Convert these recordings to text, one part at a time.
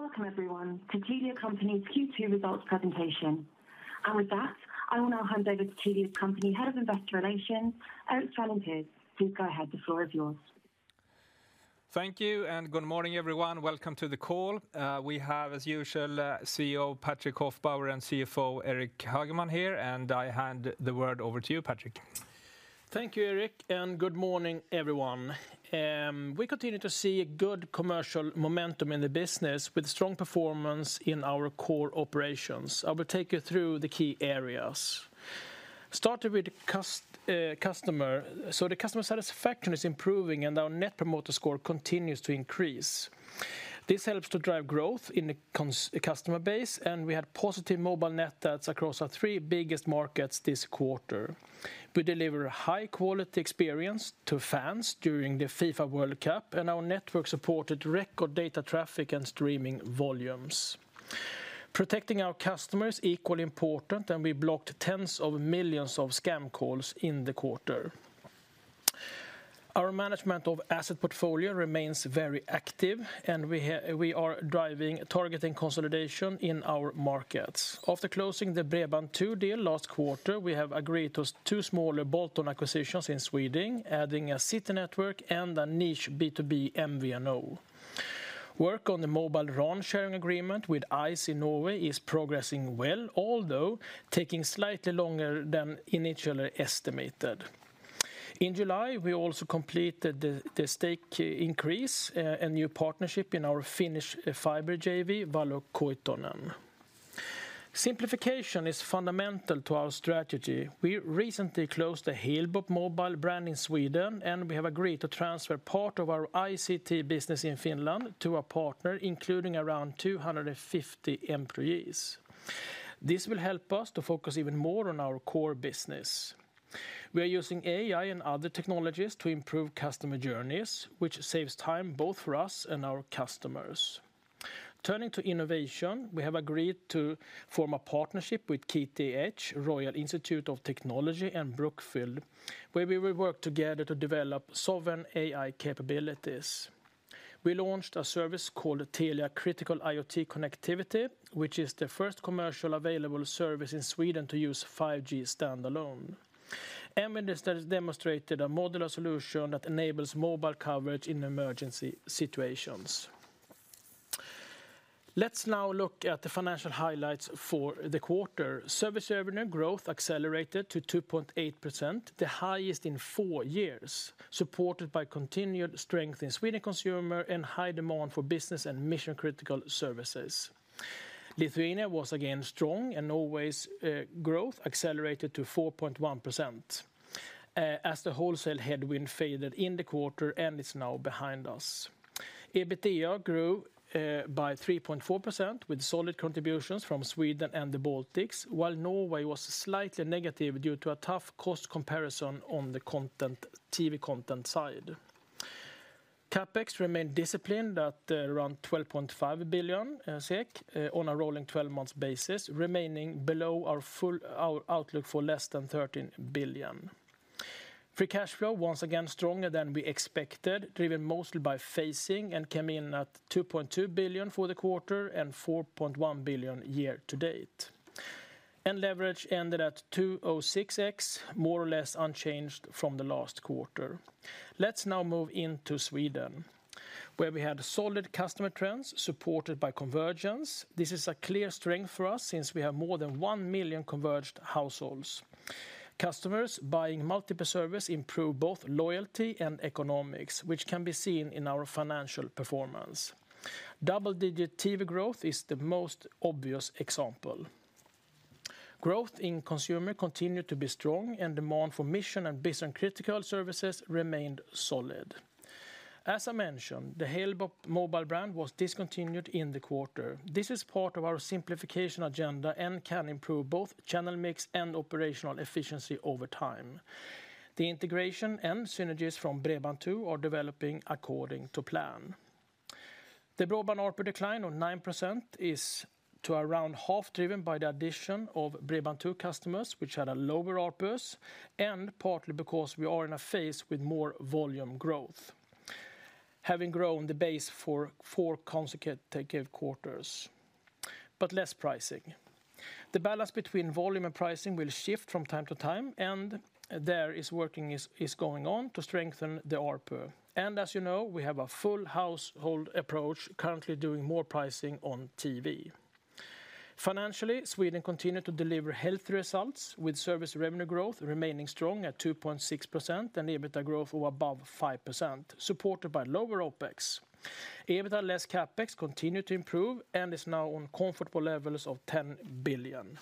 Welcome everyone to Telia Company's Q2 Results Presentation. With that, I will now hand over to Telia's Company, Head of Investor Relations, Erik Strandin Pers. Please go ahead. The floor is yours. Thank you. Good morning, everyone. Welcome to the call. We have, as usual, CEO Patrik Hofbauer and CFO Eric Hageman here. I hand the word over to you, Patrik. Thank you, Erik. Good morning, everyone. We continue to see good commercial momentum in the business with strong performance in our core operations. I will take you through the key areas. Starting with customer. The customer satisfaction is improving and our net promoter score continues to increase. This helps to drive growth in the customer base. We had positive mobile net adds across our three biggest markets this quarter. We deliver a high-quality experience to fans during the FIFA World Cup, and our network supported record data traffic and streaming volumes. Protecting our customers is equally important. We blocked tens of millions of scam calls in the quarter. Our management of asset portfolio remains very active. We are driving targeted consolidation in our markets. After closing the Bredband2 deal last quarter, we have agreed to two smaller bolt-on acquisitions in Sweden, adding a city network and a niche B2B MVNO. Work on the mobile RAN sharing agreement with Ice in Norway is progressing well, although taking slightly longer than initially estimated. In July, we also completed the stake increase and new partnership in our Finnish fiber JV Valokuitunen. Simplification is fundamental to our strategy. We recently closed the Halebop mobile brand in Sweden. We have agreed to transfer part of our ICT business in Finland to a partner including around 250 employees. This will help us to focus even more on our core business. We are using AI and other technologies to improve customer journeys, which saves time both for us and our customers. Turning to innovation, we have agreed to form a partnership with KTH Royal Institute of Technology and Brookfield, where we will work together to develop sovereign AI capabilities. We launched a service called Telia Critical IoT Connectivity, which is the first commercial available service in Sweden to use 5G standalone. We demonstrated a modular solution that enables mobile coverage in emergency situations. Let's now look at the financial highlights for the quarter. Service revenue growth accelerated to 2.8%, the highest in four years, supported by continued strength in Sweden consumer and high demand for business and mission-critical services. Lithuania was again strong, and Norway's growth accelerated to 4.1% as the wholesale headwind faded in the quarter and is now behind us. EBITDA grew by 3.4% with solid contributions from Sweden and the Baltics, while Norway was slightly negative due to a tough cost comparison on the TV content side. CapEx remained disciplined at around 12.5 billion SEK on a rolling 12 months basis, remaining below our outlook for less than 13 billion. Free cash flow, once again stronger than we expected, driven mostly by phasing and came in at 2.2 billion for the quarter and 4.1 billion year to date. Leverage ended at 206x, more or less unchanged from the last quarter. Let's now move into Sweden, where we had solid customer trends supported by convergence. This is a clear strength for us since we have more than 1 million converged households. Customers buying multiple services improve both loyalty and economics, which can be seen in our financial performance. Double-digit TV growth is the most obvious example. Growth in consumer continued to be strong and demand for mission and business-critical services remained solid. As I mentioned, the Halebop mobile brand was discontinued in the quarter. This is part of our simplification agenda and can improve both channel mix and operational efficiency over time. The integration and synergies from Bredband2 are developing according to plan. The broadband ARPU decline of 9% is to around half driven by the addition of Bredband2 customers, which had a lower ARPUs, and partly because we are in a phase with more volume growth, having grown the base for four consecutive quarters, but less pricing. The balance between volume and pricing will shift from time to time, and there is working is going on to strengthen the ARPU. As you know, we have a full household approach currently doing more pricing on TV. Financially, Sweden continued to deliver healthy results with service revenue growth remaining strong at 2.6% and EBITDA growth of above 5%, supported by lower OpEx. EBITDA less CapEx continued to improve and is now on comfortable levels of 10 billion.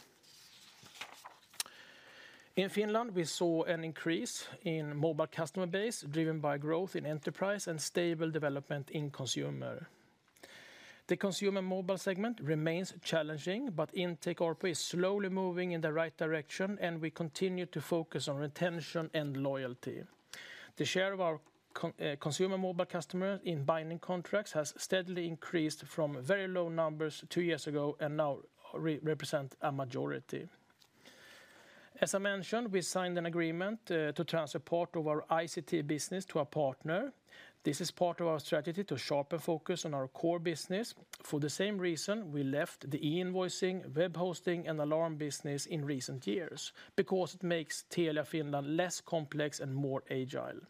In Finland, we saw an increase in mobile customer base driven by growth in enterprise and stable development in consumer. The consumer mobile segment remains challenging, but intake ARPU is slowly moving in the right direction, and we continue to focus on retention and loyalty. The share of our consumer mobile customer in binding contracts has steadily increased from very low numbers two years ago and now represent a majority. As I mentioned, we signed an agreement to transfer part of our ICT business to a partner. This is part of our strategy to sharpen focus on our core business. For the same reason, we left the e-invoicing, web hosting, and alarm business in recent years, because it makes Telia Finland less complex and more agile.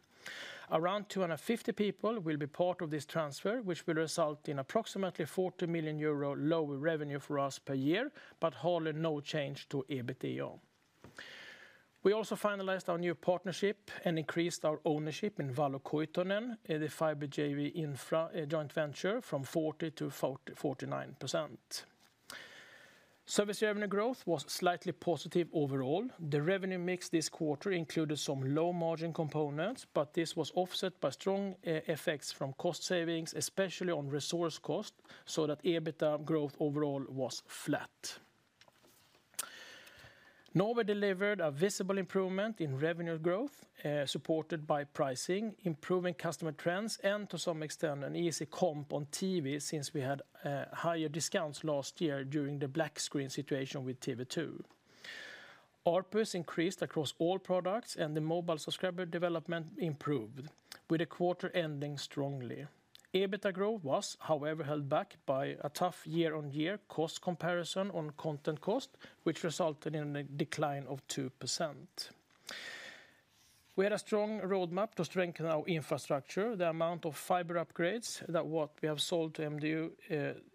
Around 250 people will be part of this transfer, which will result in approximately 40 million euro lower revenue for us per year, but hardly no change to EBITDA. We also finalized our new partnership and increased our ownership in Valokuitunen, the fiber JV infra joint venture from 40% to 49%. Service revenue growth was slightly positive overall. The revenue mix this quarter included some low-margin components, but this was offset by strong effects from cost savings, especially on resource cost, so that EBITDA growth overall was flat. Norway delivered a visible improvement in revenue growth, supported by pricing, improving customer trends, and to some extent an easy comp on TV since we had higher discounts last year during the black screen situation with TV 2. ARPU increased across all products, and the mobile subscriber development improved, with the quarter ending strongly. EBITDA growth was, however, held back by a tough year-on-year cost comparison on content cost, which resulted in a decline of 2%. We had a strong roadmap to strengthen our infrastructure. The amount of fiber upgrades that what we have sold to MDU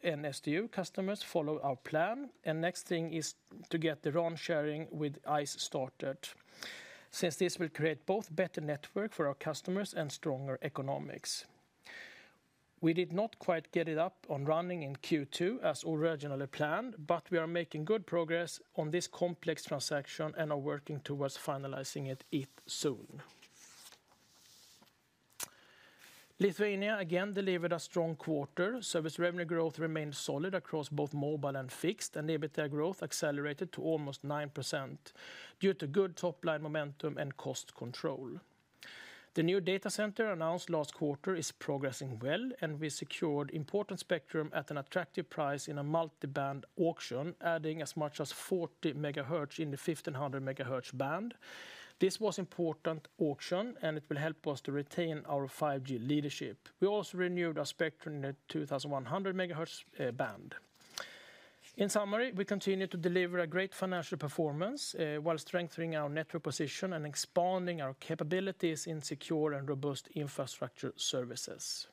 and SDU customers follow our plan, and next thing is to get the RAN sharing with Ice started. Since this will create both better network for our customers and stronger economics. We did not quite get it up and running in Q2 as originally planned, but we are making good progress on this complex transaction and are working towards finalizing it soon. Lithuania again delivered a strong quarter. Service revenue growth remained solid across both mobile and fixed, and EBITDA growth accelerated to almost 9%, due to good top-line momentum and cost control. The new data center announced last quarter is progressing well, and we secured important spectrum at an attractive price in a multiband auction, adding as much as 40 MHzin the 1,500 MHz band. This was important auction, and it will help us to retain our 5G leadership. We also renewed our spectrum in the 2,100 MHz band. In summary, we continue to deliver a great financial performance, while strengthening our network position and expanding our capabilities in secure and robust infrastructure services.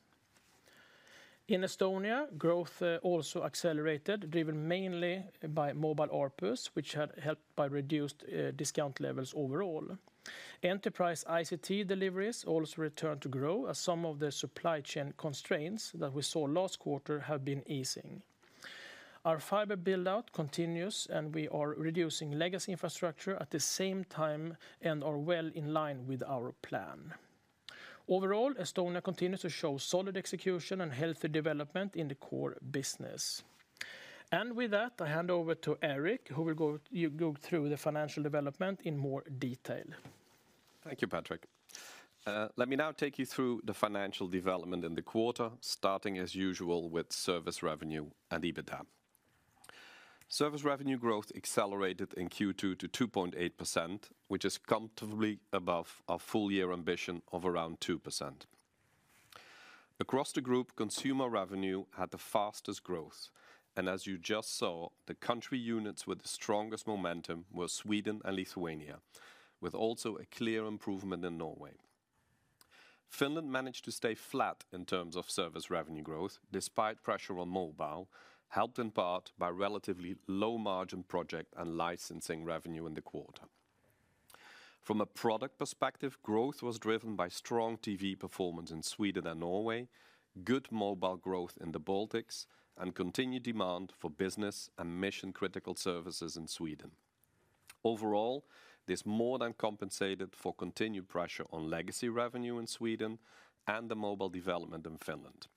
In Estonia, growth also accelerated, driven mainly by mobile ARPUs, which had helped by reduced discount levels overall. Enterprise ICT deliveries also returned to grow as some of the supply chain constraints that we saw last quarter have been easing. Our fiber build-out continues, and we are reducing legacy infrastructure at the same time and are well in line with our plan. Overall, Estonia continues to show solid execution and healthy development in the core business. With that, I hand over to Eric, who will go through the financial development in more detail. Thank you, Patrik. Let me now take you through the financial development in the quarter, starting as usual with service revenue and EBITDA. Service revenue growth accelerated in Q2 to 2.8%, which is comfortably above our full year ambition of around 2%. Across the group, consumer revenue had the fastest growth, and as you just saw, the country units with the strongest momentum were Sweden and Lithuania, with also a clear improvement in Norway. Finland managed to stay flat in terms of service revenue growth despite pressure on mobile, helped in part by relatively low-margin project and licensing revenue in the quarter. From a product perspective, growth was driven by strong TV performance in Sweden and Norway, good mobile growth in the Baltics, and continued demand for business and mission-critical services in Sweden. Overall, this more than compensated for continued pressure on legacy revenue in Sweden and the mobile development in Finland.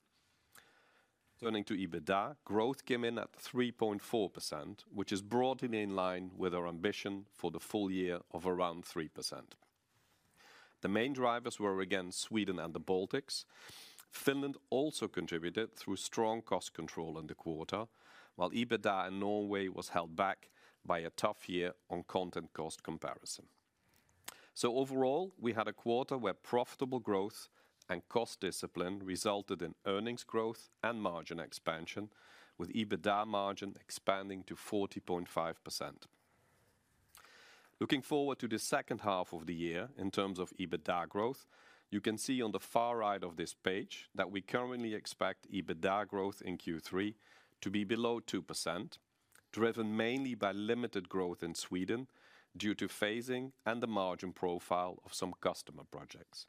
Turning to EBITDA, growth came in at 3.4%, which is broadly in line with our ambition for the full year of around 3%. The main drivers were again Sweden and the Baltics. Finland also contributed through strong cost control in the quarter, while EBITDA in Norway was held back by a tough year on content cost comparison. Overall, we had a quarter where profitable growth and cost discipline resulted in earnings growth and margin expansion, with EBITDA margin expanding to 40.5%. Looking forward to the second half of the year in terms of EBITDA growth, you can see on the far right of this page that we currently expect EBITDA growth in Q3 to be below 2%, driven mainly by limited growth in Sweden due to phasing and the margin profile of some customer projects.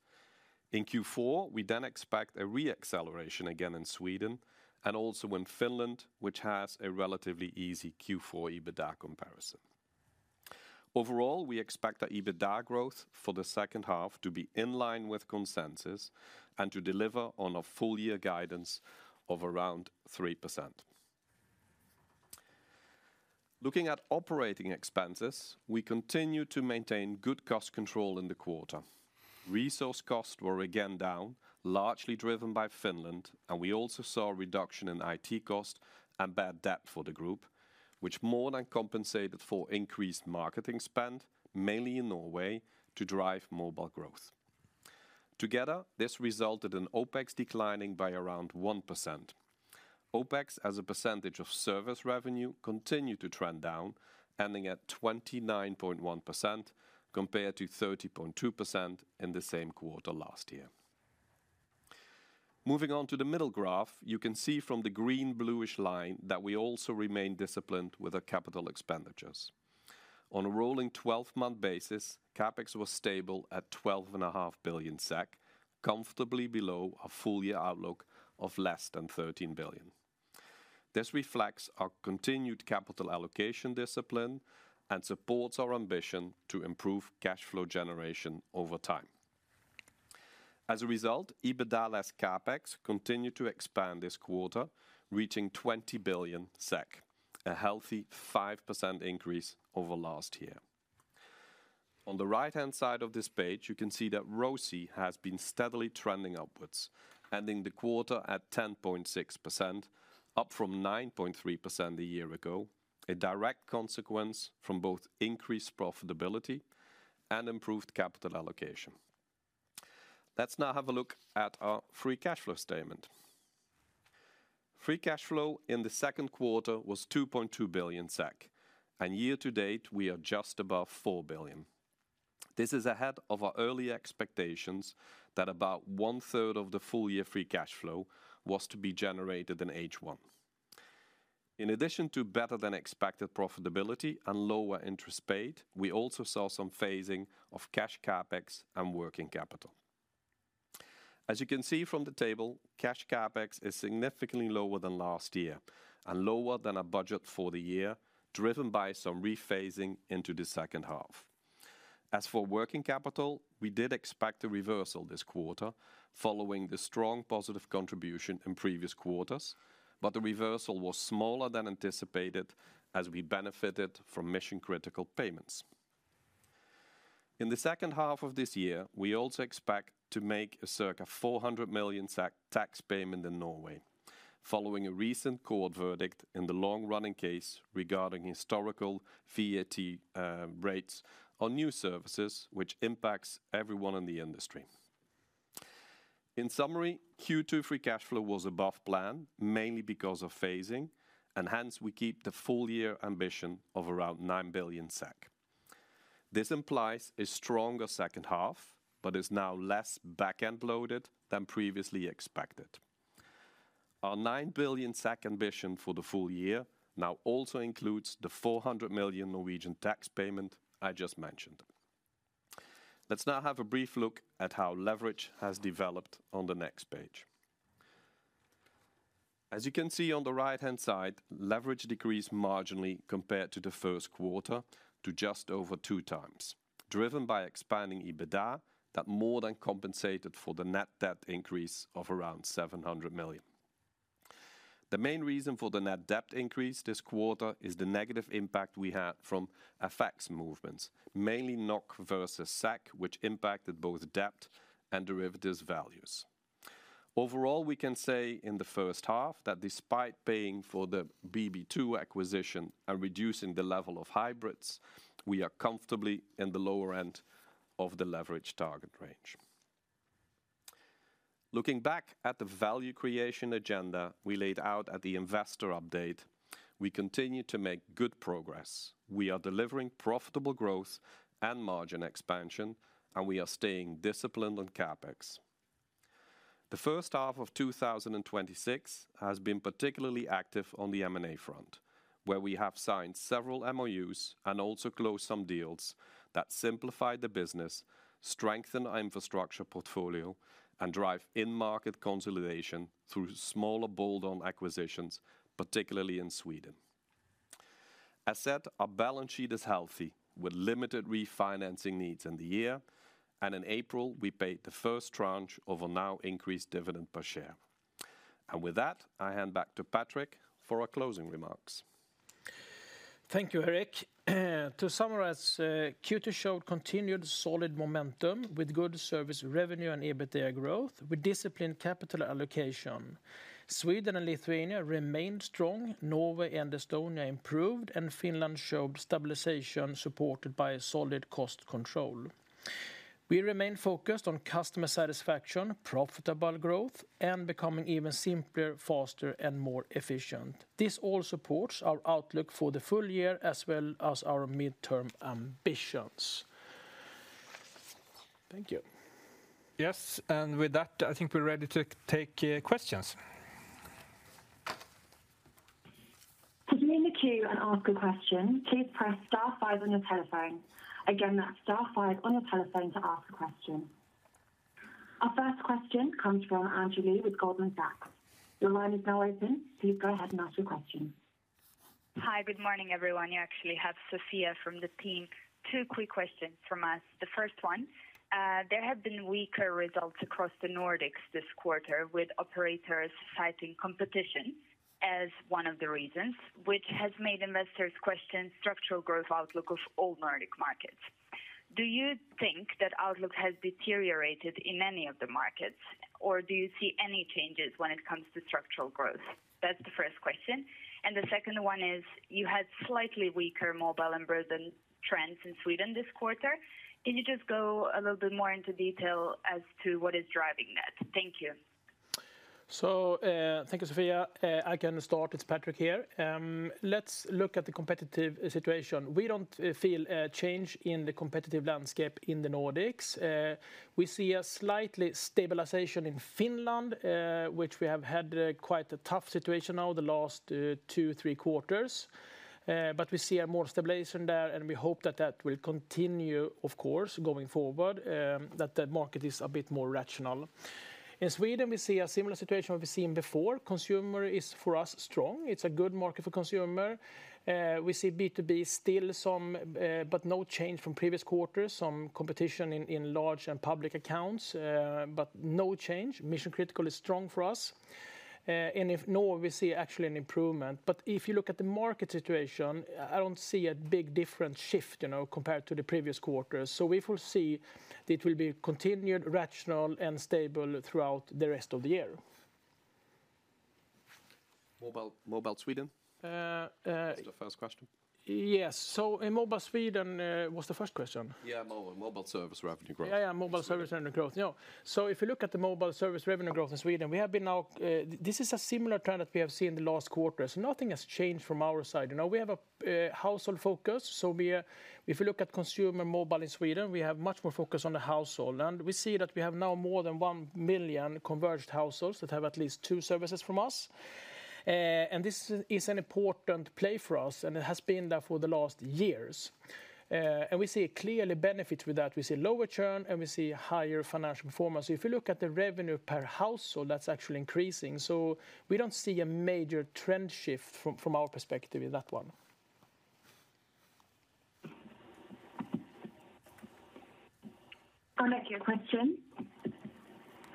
In Q4, we then expect a re-acceleration again in Sweden and also in Finland, which has a relatively easy Q4 EBITDA comparison. Overall, we expect our EBITDA growth for the second half to be in line with consensus and to deliver on our full year guidance of around 3%. Looking at operating expenses, we continue to maintain good cost control in the quarter. Resource costs were again down, largely driven by Finland, and we also saw a reduction in IT cost and bad debt for the group, which more than compensated for increased marketing spend, mainly in Norway, to drive mobile growth. Together, this resulted in OpEx declining by around 1%. OpEx as a percentage of service revenue continued to trend down, ending at 29.1% compared to 30.2% in the same quarter last year. Moving on to the middle graph, you can see from the green bluish line that we also remain disciplined with our capital expenditures. On a rolling 12-month basis, CapEx was stable at 12.5 billion SEK, comfortably below our full-year outlook of less than 13 billion. This reflects our continued capital allocation discipline and supports our ambition to improve cash flow generation over time. As a result, EBITDA less CapEx continued to expand this quarter, reaching 20 billion SEK, a healthy 5% increase over last year. On the right-hand side of this page, you can see that ROCE has been steadily trending upwards, ending the quarter at 10.6%, up from 9.3% a year ago, a direct consequence from both increased profitability and improved capital allocation. Let's now have a look at our free cash flow statement. Free cash flow in the second quarter was 2.2 billion SEK, and year to date, we are just above 4 billion. This is ahead of our early expectations that about one-third of the full-year free cash flow was to be generated in H1. In addition to better than expected profitability and lower interest paid, we also saw some phasing of cash CapEx and working capital. As you can see from the table, cash CapEx is significantly lower than last year and lower than our budget for the year, driven by some rephasing into the second half. As for working capital, we did expect a reversal this quarter following the strong positive contribution in previous quarters, but the reversal was smaller than anticipated as we benefited from mission-critical payments. In the second half of this year, we also expect to make a circa 400 million tax payment in Norway following a recent court verdict in the long-running case regarding historical VAT rates on new services, which impacts everyone in the industry. In summary, Q2 free cash flow was above plan mainly because of phasing, hence we keep the full-year ambition of around 9 billion SEK. This implies a stronger second half but is now less back-end loaded than previously expected. Our 9 billion SEK ambition for the full year now also includes the 400 million Norwegian tax payment I just mentioned. Let's now have a brief look at how leverage has developed on the next page. As you can see on the right-hand side, leverage decreased marginally compared to the first quarter to just over 2x, driven by expanding EBITDA that more than compensated for the net debt increase of around 700 million. The main reason for the net debt increase this quarter is the negative impact we had from FX movements, mainly NOK versus SEK, which impacted both debt and derivatives values. Overall, we can say in the first half that despite paying for the BB2 acquisition and reducing the level of hybrids, we are comfortably in the lower end of the leverage target range. Looking back at the value creation agenda we laid out at the investor update, we continue to make good progress. We are delivering profitable growth and margin expansion, we are staying disciplined on CapEx. The first half of 2026 has been particularly active on the M&A front, where we have signed several MoUs and also closed some deals that simplify the business, strengthen our infrastructure portfolio, and drive in-market consolidation through smaller bolt-on acquisitions, particularly in Sweden. As said, our balance sheet is healthy with limited refinancing needs in the year. In April, we paid the first tranche of a now increased dividend per share. With that, I hand back to Patrik for our closing remarks. Thank you, Eric. To summarize, Q2 showed continued solid momentum with good service revenue and EBITDA growth with disciplined capital allocation. Sweden and Lithuania remained strong, Norway and Estonia improved, and Finland showed stabilization, supported by a solid cost control. We remain focused on customer satisfaction, profitable growth, and becoming even simpler, faster, and more efficient. This all supports our outlook for the full year as well as our midterm ambitions. Thank you. Yes. With that, I think we're ready to take questions. To join the queue and ask a question, please press star five on your telephone. Again, that's star five on your telephone to ask a question. Our first question comes from Andrew Lee with Goldman Sachs. Your line is now open. Please go ahead and ask your question. Hi. Good morning, everyone. You actually have Sofija from the team. Two quick questions from us. The first one, there have been weaker results across the Nordics this quarter with operators citing competition as one of the reasons, which has made investors question structural growth outlook of all Nordic markets. Do you think that outlook has deteriorated in any of the markets, or do you see any changes when it comes to structural growth? That's the first question. The second one is: you had slightly weaker mobile ARPU trends in Sweden this quarter. Can you just go a little bit more into detail as to what is driving that? Thank you. Thank you, Sofija. I can start. It's Patrik here. Let's look at the competitive situation. We don't feel a change in the competitive landscape in the Nordics. We see a slight stabilization in Finland, which we have had quite a tough situation now the last two, three quarters. We see more stabilization there, and we hope that that will continue, of course, going forward, that that market is a bit more rational. In Sweden, we see a similar situation that we've seen before. Consumer is, for us, strong. It's a good market for consumer. We see B2B still some, no change from previous quarters, some competition in large and public accounts, but no change. Mission critical is strong for us. In Norway, we see actually an improvement. If you look at the market situation, I don't see a big different shift compared to the previous quarters. We foresee it will be continued rational and stable throughout the rest of the year. Mobile Sweden? That's the first question. Yes. Mobile Sweden was the first question. Yeah, mobile service revenue growth. Yeah. Mobile service revenue growth. If you look at the mobile service revenue growth in Sweden, this is a similar trend that we have seen the last quarters. Nothing has changed from our side. We have a household focus, so if you look at consumer mobile in Sweden, we have much more focus on the household. We see that we have now more than 1 million converged households that have at least two services from us. This is an important play for us, and it has been there for the last years. We see clearly benefits with that. We see lower churn, and we see higher financial performance. If you look at the revenue per household, that's actually increasing. We don't see a major trend shift from our perspective in that one.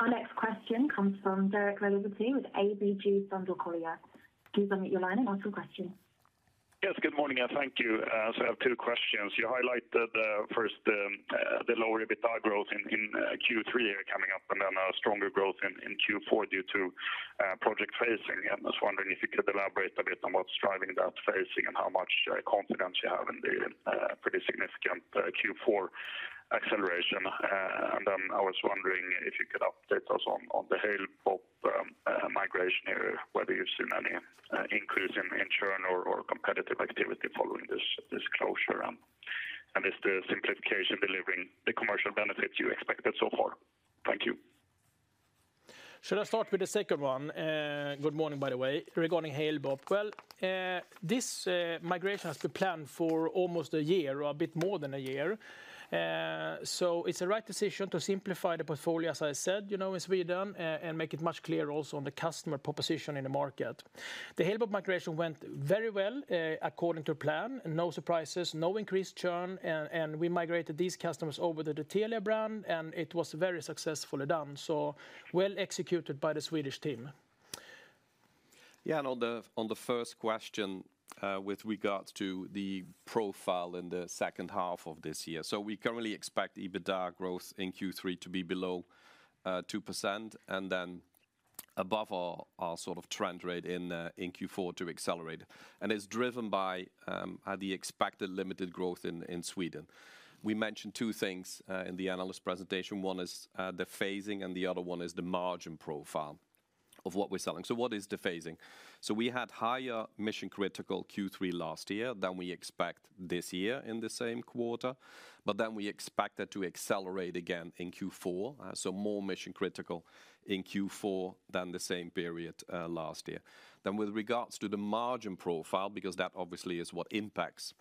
Our next question comes from Derek Laliberté with ABG Sundal Collier. Do join at your line, and what's your question? Yes, good morning, and thank you. I have two questions. You highlighted the first, the lower EBITDA growth in Q3 coming up then a stronger growth in Q4 due to project phasing. I'm just wondering if you could elaborate a bit on what's driving that phasing and how much confidence you have in the pretty significant Q4 acceleration. Then I was wondering if you could update us on the Halebop migration, whether you've seen any increase in churn or competitive activity following this closure. Is the simplification delivering the commercial benefits you expected so far? Thank you. Should I start with the second one? Good morning, by the way. Regarding Halebop, this migration has been planned for almost a year or a bit more than a year. It is the right decision to simplify the portfolio, as I said, in Sweden, and make it much clearer also on the customer proposition in the market. The Halebop migration went very well, according to plan, and no surprises, no increased churn, and we migrated these customers over to the Telia brand, and it was very successfully done. So well executed by the Swedish team. Yeah, on the first question, with regards to the profile in the second half of this year. We currently expect EBITDA growth in Q3 to be below 2% and then above our trend rate in Q4 to accelerate. It is driven by the expected limited growth in Sweden. We mentioned two things in the analyst presentation. One is the phasing, and the other one is the margin profile of what we are selling. What is the phasing? We had higher mission-critical Q3 last year than we expect this year in the same quarter. We expect that to accelerate again in Q4, so more mission-critical in Q4 than the same period last year. With regards to the margin profile, because that obviously is what impacts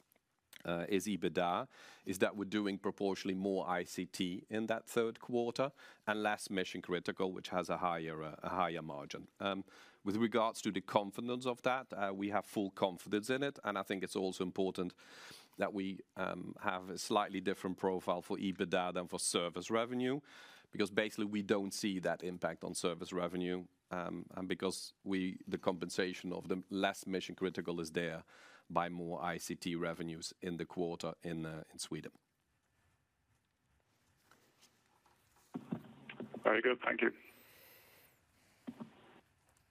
is EBITDA, is that we are doing proportionally more ICT in that third quarter and less mission-critical, which has a higher margin. With regards to the confidence of that, we have full confidence in it, and I think it is also important that we have a slightly different profile for EBITDA than for service revenue, because basically we do not see that impact on service revenue, and because the compensation of the less mission-critical is there by more ICT revenues in the quarter in Sweden. Very good. Thank you.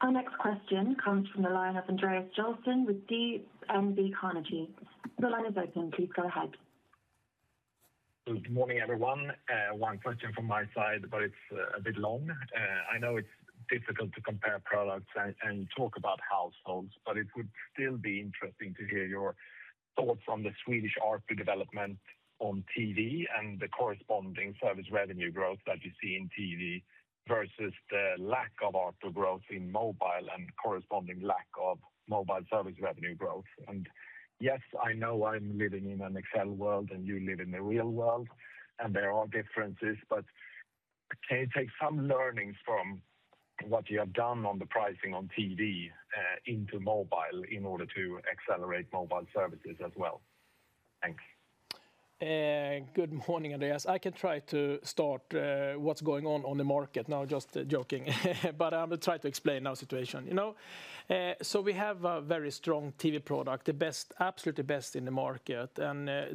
Our next question comes from the line of Andreas Joelsson with DNB Carnegie. The line is open. Please go ahead. Good morning, everyone. One question from my side, but it's a bit long. I know it's difficult to compare products and talk about households, but it would still be interesting to hear your thoughts on the Swedish ARPU development on TV and the corresponding service revenue growth that you see in TV versus the lack of ARPU growth in mobile and corresponding lack of mobile service revenue growth. Yes, I know I'm living in an Excel world and you live in the real world, and there are differences, but can you take some learnings from what you have done on the pricing on TV into mobile in order to accelerate mobile services as well? Thanks. Good morning, Andreas. I can try to start what's going on the market. No, just joking. I will try to explain our situation. We have a very strong TV product, absolutely the best in the market.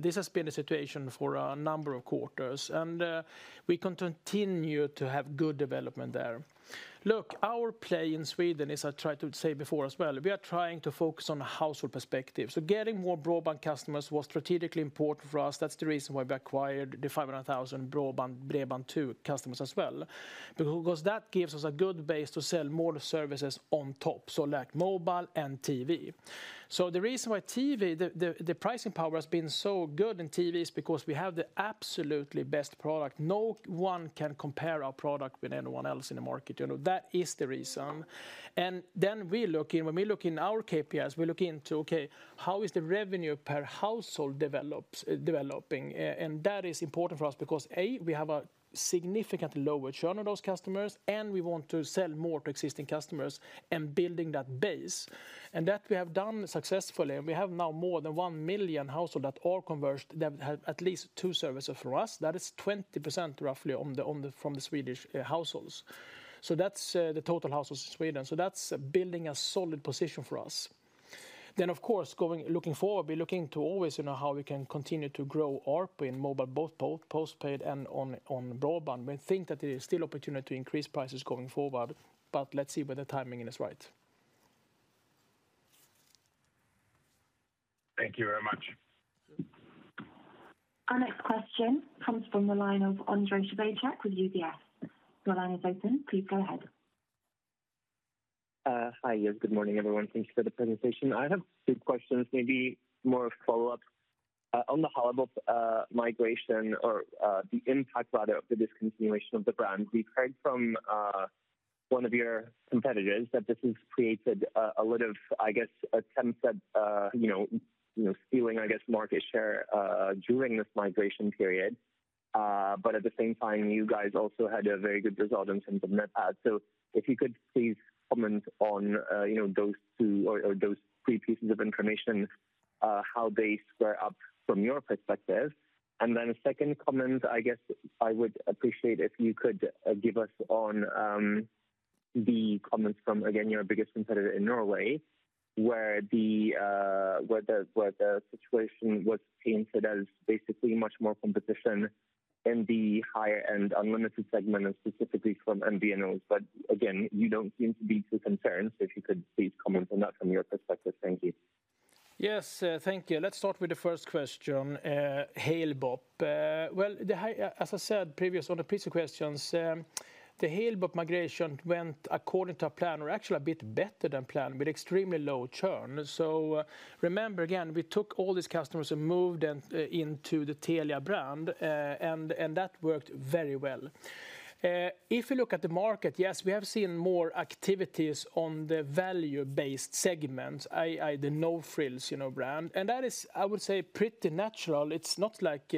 This has been the situation for a number of quarters, and we continue to have good development there. Look, our play in Sweden, as I tried to say before as well, we are trying to focus on the household perspective. Getting more broadband customers was strategically important for us. That's the reason why we acquired the 500,000 broadband, Bredband2 customers as well. Because that gives us a good base to sell more services on top, like mobile and TV. The reason why the pricing power has been so good in TV is because we have the absolutely best product. No one can compare our product with anyone else in the market. That is the reason. When we look in our KPIs, we look into, okay, how is the revenue per household developing? That is important for us because, A, we have a significantly lower churn on those customers, and we want to sell more to existing customers and building that base. That we have done successfully, and we have now more than 1 million household that all converged that have at least two services from us. That is 20% roughly from the Swedish households. That's the total households in Sweden. That's building a solid position for us. Of course, looking forward, we're looking to always how we can continue to grow ARPU in mobile, both postpaid and on broadband. We think that there is still opportunity to increase prices going forward, but let's see whether the timing is right. Thank you very much. Our next question comes from the line of Ondrej Cabejsek with UBS. Your line is open. Please go ahead. Hi. Good morning, everyone. Thanks for the presentation. I have two questions, maybe more follow-ups. On the Halebop migration or the impact rather of the discontinuation of the brand, we've heard from one of your competitors that this has created a lot of, I guess, attempts at stealing market share during this migration period. At the same time, you guys also had a very good result in terms of net add. If you could please comment on those two or those three pieces of information, how they square up from your perspective. A second comment, I guess I would appreciate if you could give us on the comments from, again, your biggest competitor in Norway, where the situation was painted as basically much more competition in the higher-end unlimited segment, and specifically from MVNOs. You don't seem to be too concerned, if you could please comment on that from your perspective. Thank you. Yes. Thank you. Let's start with the first question, Halebop. Well, as I said previously on the previous questions, the Halebop migration went according to plan or actually a bit better than planned with extremely low churn. Remember again, we took all these customers and moved them into the Telia brand, and that worked very well. If you look at the market, yes, we have seen more activities on the value-based segment, i.e., the no-frills brand, and that is, I would say, pretty natural. It's not like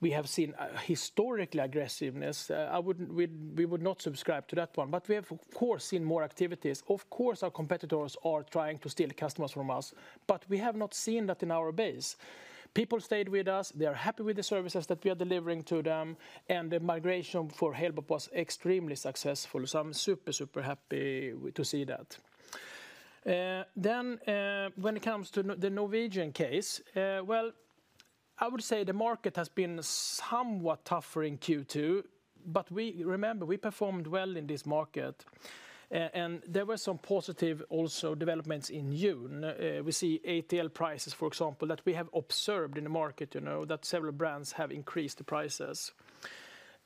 we have seen historically aggressiveness. We would not subscribe to that one, we have of course seen more activities. Of course, our competitors are trying to steal customers from us, we have not seen that in our base. People stayed with us. They are happy with the services that we are delivering to them, the migration for Halebop was extremely successful. I'm super happy to see that. When it comes to the Norwegian case, well, I would say the market has been somewhat tougher in Q2, remember, we performed well in this market, there were some positive also developments in June. We see ATL prices, for example, that we have observed in the market that several brands have increased the prices.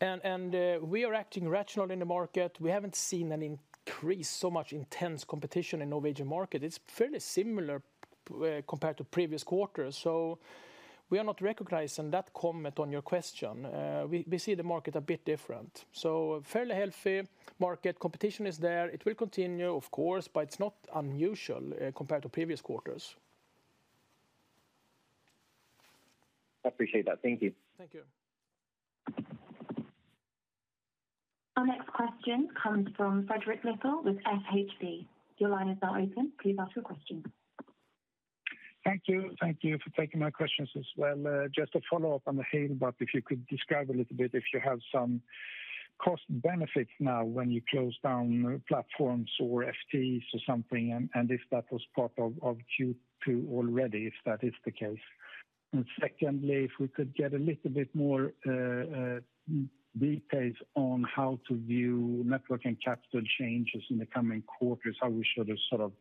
We are acting rational in the market. We haven't seen an increase, so much intense competition in Norwegian market. It's fairly similar compared to previous quarters. We are not recognizing that comment on your question. We see the market a bit different. Fairly healthy market. Competition is there. It will continue, of course, it's not unusual compared to previous quarters. I appreciate that. Thank you. Thank you. Our next question comes from Fredrik Lithell with SHB. Your lines are open. Please ask your question. Thank you. Thank you for taking my questions as well. Just a follow-up on the Halebop, if you could describe a little bit if you have some cost benefits now when you close down platforms or FTEs or something, and if that was part of Q2 already, if that is the case. Secondly, if we could get a little bit more details on how to view network and capital changes in the coming quarters, how we should have sort of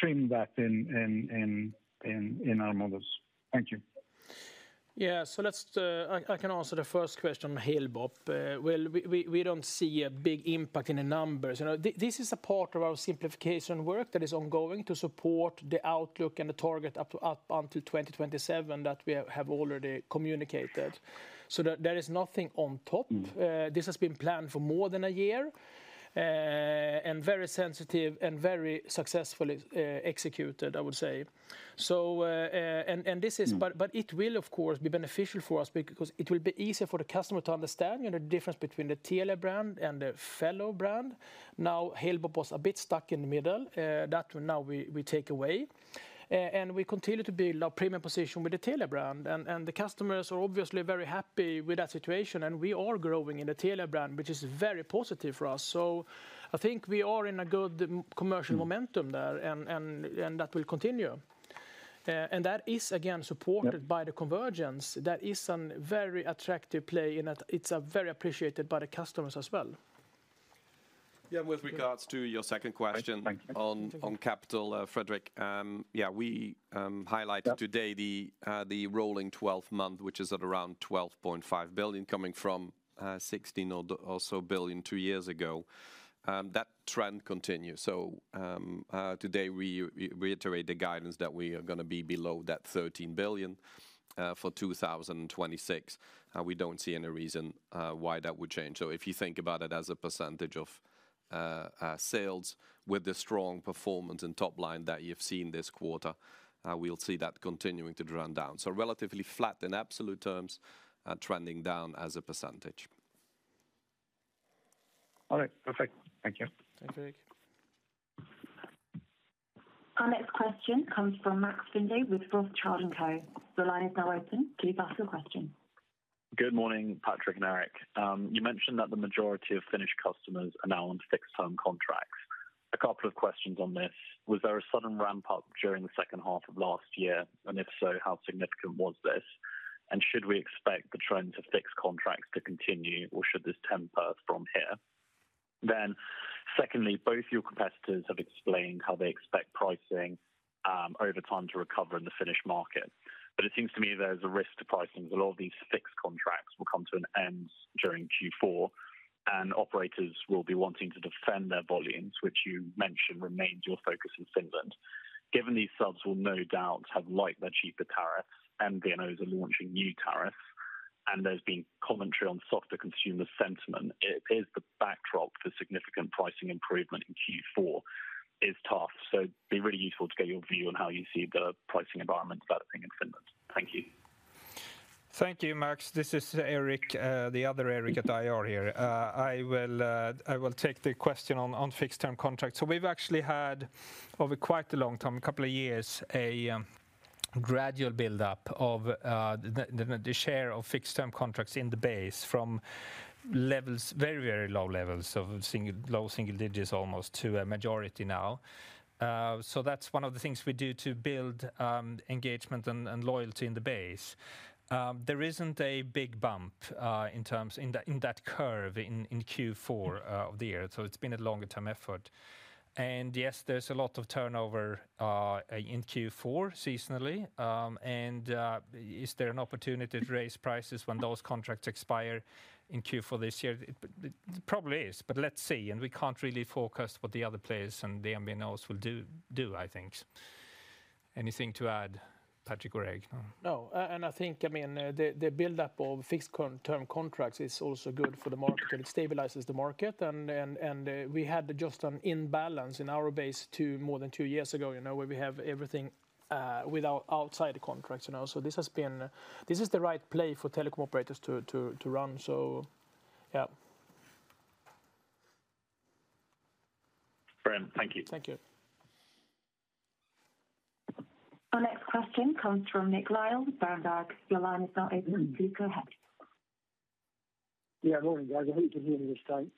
trimmed that in our models. Thank you. Yeah. I can answer the first question on Halebop. Well, we don't see a big impact in the numbers. This is a part of our simplification work that is ongoing to support the outlook and the target up until 2027 that we have already communicated. There is nothing on top. This has been planned for more than a year, and very sensitive and very successfully executed, I would say. It will of course be beneficial for us because it will be easier for the customer to understand the difference between the Telia brand and the Fello brand. Now, Halebop was a bit stuck in the middle. That one now we take away, and we continue to build our premium position with the Telia brand. The customers are obviously very happy with that situation, and we are growing in the Telia brand, which is very positive for us. I think we are in a good commercial momentum there, and that will continue. That is again supported by the convergence. That is a very attractive play in that it's very appreciated by the customers as well. Yeah, with regards to your second question. Thank you. on capital, Fredrik. Yeah, we highlighted today the rolling 12-month, which is at around 12.5 billion, coming from 16 billion or so two years ago. That trend continues. Today we reiterate the guidance that we are going to be below that 13 billion for 2026. We don't see any reason why that would change. If you think about it as a percentage of sales with the strong performance and top line that you've seen this quarter, we'll see that continuing to trend down. Relatively flat in absolute terms, trending down as a percentage. All right, perfect. Thank you. Thanks, Fredrik. Our next question comes from Max Findlay with Rothschild & Co. Your line is now open. Please ask your question. Good morning, Patrik. You mentioned that the majority of Finnish customers are now on fixed-term contracts. A couple of questions on this. Was there a sudden ramp up during the second half of last year? If so, how significant was this? Should we expect the trend to fixed contracts to continue, or should this temper from here? Secondly, both your competitors have explained how they expect pricing over time to recover in the Finnish market. It seems to me there's a risk to pricing that a lot of these fixed contracts will come to an end during Q4, and operators will be wanting to defend their volumes, which you mentioned remains your focus in Finland. Given these subs will no doubt have liked their cheaper tariffs, MVNOs are launching new tariffs, and there's been commentary on softer consumer sentiment. It is the backdrop for significant pricing improvement in Q4 is tough. It'd be really useful to get your view on how you see the pricing environment developing in Finland. Thank you. Thank you, Max. This is Erik, the other Erik at IR here. I will take the question on fixed-term contracts. We've actually had, over quite a long time, a couple of years, a gradual buildup of the share of fixed-term contracts in the base from very low levels of low single digits almost to a majority now. That's one of the things we do to build engagement and loyalty in the base. There isn't a big bump in that curve in Q4 of the year. It's been a longer-term effort. Yes, there's a lot of turnover in Q4 seasonally. Is there an opportunity to raise prices when those contracts expire in Q4 this year? Probably is, but let's see. We can't really forecast what the other players and the MVNOs will do, I think. Anything to add, Patrik or Eric? No. No. I think the buildup of fixed-term contracts is also good for the market. It stabilizes the market, and we had just an imbalance in our base more than two years ago, where we have everything without outside contracts. This is the right play for teleco operators to run. Yeah. Brilliant. Thank you. Thank you. Our next question comes from Nick Lyall with Berenberg. Your line is now open. Please go ahead. Yeah, morning, guys. I hope you can hear me this time.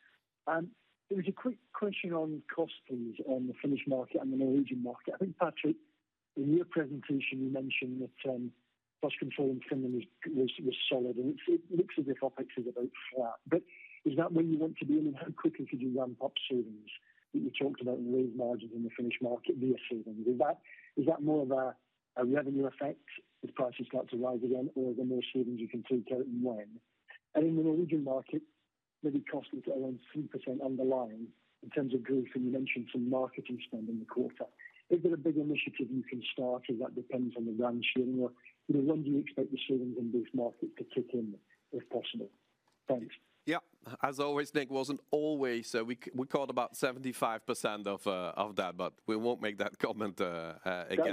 It was a quick question on cost, please, on the Finnish market and the Norwegian market. I think, Patrik, in your presentation, you mentioned that cost control in Finland was solid, and it looks as if OpEx is about flat. Is that where you want to be? How quickly could you ramp up savings that you talked about and raise margins in the Finnish market via savings? Is that more of a revenue effect as prices start to rise again, or are there more savings you can take out and when? In the Norwegian market, maybe cost is around 3% underlying in terms of growth, and you mentioned some marketing spend in the quarter. Is there a big initiative you can start, or that depends on the ramp? When do you expect the savings in both markets to kick in, if possible? Thanks. As always, Nick, wasn't always. We called about 75% of that, we won't make that comment again.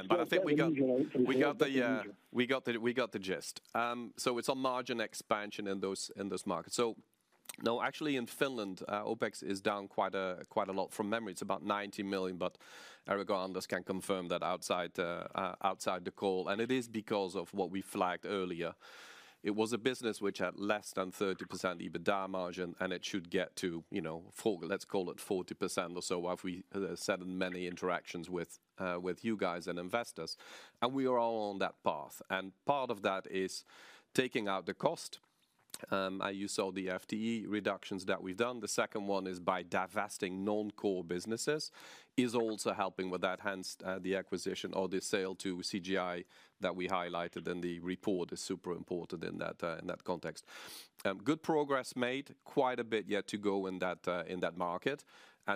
That's about the region, right? We got the gist. It's on margin expansion in those markets. No, actually in Finland, OpEx is down quite a lot. From memory, it's about 90 million, but Erik can confirm that outside the call. It is because of what we flagged earlier. It was a business which had less than 30% EBITDA margin, and it should get to, let's call it 40% or so after we had several many interactions with you guys and investors. We are all on that path. Part of that is taking out the cost. You saw the FTE reductions that we've done. The second one is by divesting non-core businesses is also helping with that, hence the acquisition or the sale to CGI that we highlighted in the report is super important in that context. Good progress made. Quite a bit yet to go in that market.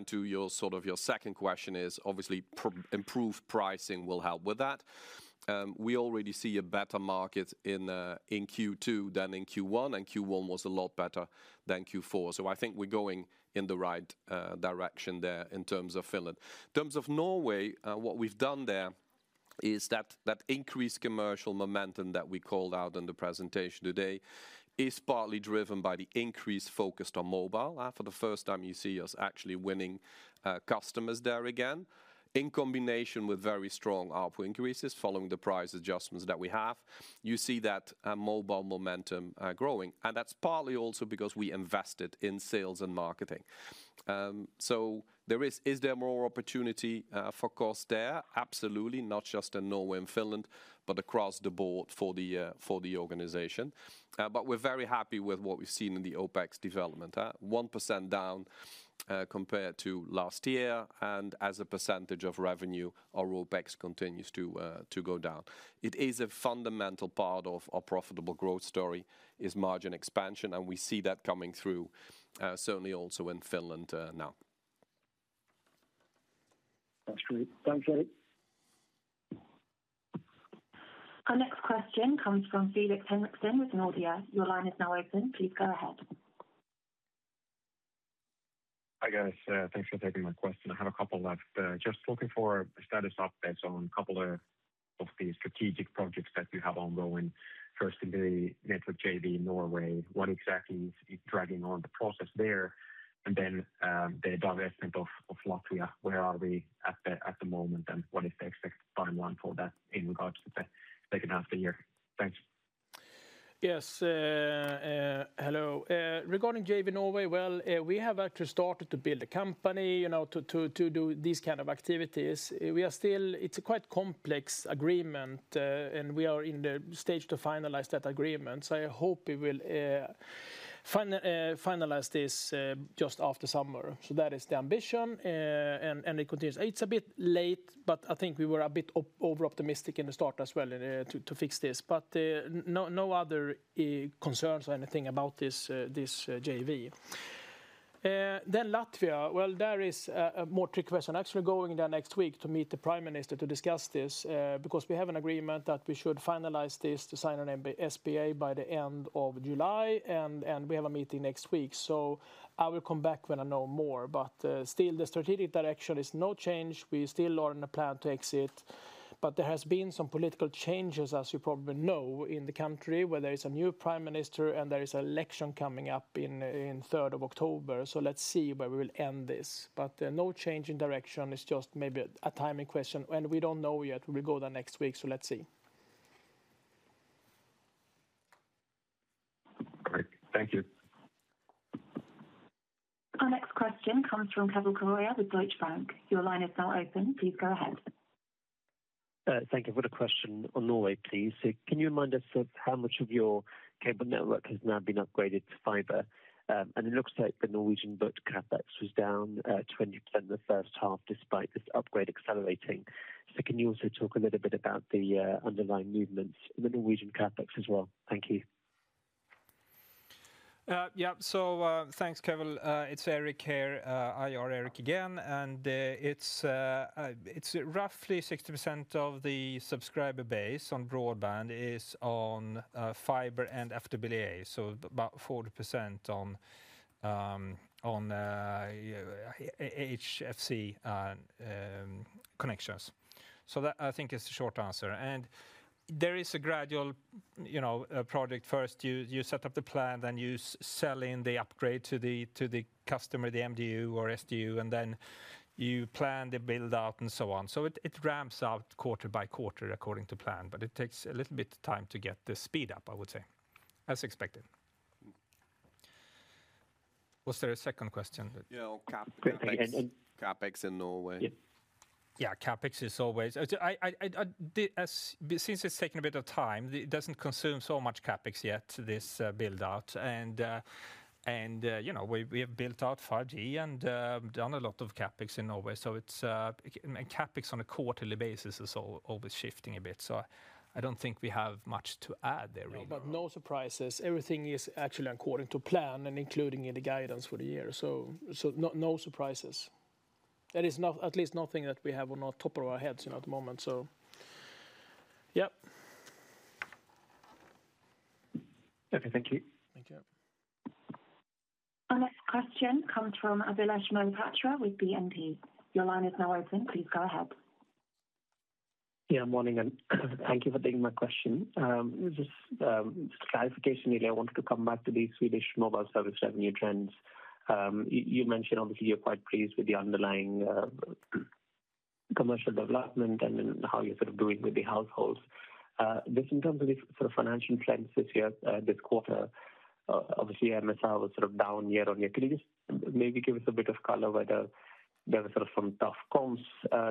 To your second question is obviously improved pricing will help with that. We already see a better market in Q2 than in Q1 was a lot better than Q4. I think we're going in the right direction there in terms of Finland. In terms of Norway, what we've done there is that increased commercial momentum that we called out in the presentation today is partly driven by the increase focused on mobile. For the first time, you see us actually winning customers there again. In combination with very strong output increases following the price adjustments that we have, you see that mobile momentum growing. That's partly also because we invested in sales and marketing. Is there more opportunity for cost there? Absolutely. Not just in Norway and Finland, but across the board for the organization. We're very happy with what we've seen in the OpEx development. 1% down compared to last year, and as a percentage of revenue, our OpEx continues to go down. It is a fundamental part of our profitable growth story is margin expansion, and we see that coming through certainly also in Finland now. That's great. Thanks, Eric. Our next question comes from Felix Henriksson with Nordea. Your line is now open. Please go ahead. Hi, guys. Thanks for taking my question. I have a couple left. Just looking for a status update on a couple of the strategic projects that you have ongoing. First, in the network JV Norway, what exactly is dragging on the process there? The divestment of Latvia, where are we at the moment and what is the expected timeline for that in regards to the second half of the year? Thanks. Yes. Hello. Regarding JV Norway, we have actually started to build a company to do these kind of activities. It's a quite complex agreement, and we are in the stage to finalize that agreement. I hope we will finalize this just after summer. That is the ambition, and it continues. It's a bit late, but I think we were a bit over-optimistic in the start as well to fix this. No other concerns or anything about this JV. Latvia, there is a more tricky question. Actually going there next week to meet the prime minister to discuss this, because we have an agreement that we should finalize this to sign an SPA by the end of July, and we have a meeting next week. I will come back when I know more. Still, the strategic direction is no change. We still are in a plan to exit. There has been some political changes, as you probably know, in the country, where there is a new prime minister and there is election coming up in October 3rd. Let's see where we will end this. No change in direction. It's just maybe a timing question, and we don't know yet. We'll go there next week, let's see. Great. Thank you. Our next question comes from Keval Khiroya with Deutsche Bank. Your line is now open. Please go ahead. Thank you. I've got a question on Norway, please. Can you remind us of how much of your cable network has now been upgraded to fiber? It looks like the Norwegian booked CapEx was down 20% in the first half, despite this upgrade accelerating. Can you also talk a little bit about the underlying movements in the Norwegian CapEx as well? Thank you. Thanks, Keval. It's Erik here, IR Erik again. It's roughly 60% of the subscriber base on broadband is on fiber and FTTA. About 40% on HFC connections. That, I think is the short answer. There is a gradual project. First you set up the plan, then you sell in the upgrade to the customer, the MDU or SDU, and then you plan the build-out and so on. It ramps out quarter by quarter according to plan, but it takes a little bit of time to get the speed up, I would say. As expected. Was there a second question? Yeah, on CapEx. Yeah. CapEx in Norway. Yep. Yeah, CapEx. Since it's taken a bit of time, it doesn't consume so much CapEx yet, this build-out. We have built out 5G and done a lot of CapEx in Norway. CapEx on a quarterly basis is always shifting a bit. I don't think we have much to add there really. No, no surprises. Everything is actually according to plan and including in the guidance for the year. No surprises. At least nothing that we have on the top of our heads at the moment. Yep. Okay. Thank you. Thank you. Our next question comes from Abhilash Mohapatra with BNP. Your line is now open. Please go ahead. Yeah, morning. Thank you for taking my question. Just clarification really. I wanted to come back to the Swedish mobile service revenue trends. You mentioned obviously you're quite pleased with the underlying commercial development and then how you're sort of doing with the households. Just in terms of the sort of financial plans this year, this quarter, obviously MSR was sort of down year-over-year. Can you just maybe give us a bit of color whether there was sort of some tough comps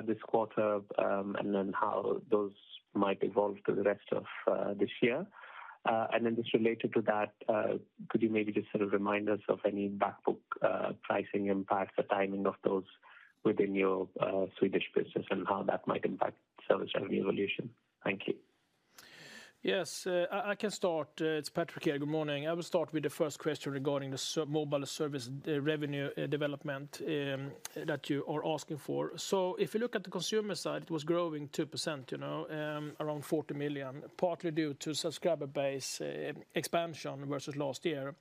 this quarter, and then how those might evolve through the rest of this year? Just related to that, could you maybe just sort of remind us of any back book pricing impacts, the timing of those within your Swedish business and how that might impact service revenue evolution? Thank you. Yes. I can start. It's Patrik here. Good morning. I will start with the first question regarding the mobile service revenue development that you are asking for. If you look at the consumer side, it was growing 2%, around 40 million, partly due to subscriber base expansion versus last year,